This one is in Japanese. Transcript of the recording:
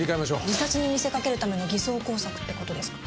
自殺に見せかけるための偽装工作って事ですか？